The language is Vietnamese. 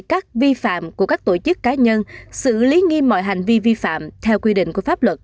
các vi phạm của các tổ chức cá nhân xử lý nghiêm mọi hành vi vi phạm theo quy định của pháp luật